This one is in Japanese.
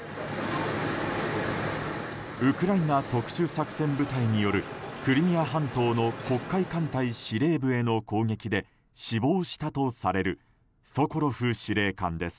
ウクライナ特殊作戦部隊によるクリミア半島の黒海艦隊司令部への攻撃で死亡したとされるソコロフ司令官です。